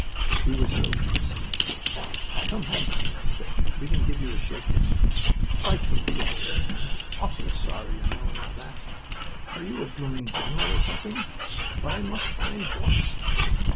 We were soaked to the skin. "Come home with me," I said. "We can give you a shake down." "Frightfully good, old man. Awfully sorry, you know, and all that. Are you a blooming general, or something? But I must find horse."